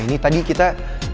ini tadi kita